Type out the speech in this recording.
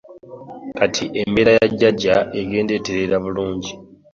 Kati embeera ya jjajja egenda etereera bulungi.